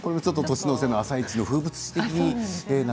年の瀬の「あさイチ」の風物詩的な。